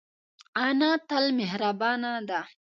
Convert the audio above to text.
انا تل مهربانه ده